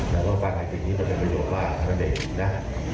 แล้วก็ฟังว่าคลิปนี้จะเป็นประโยชน์มากของท่านเดชน์นะ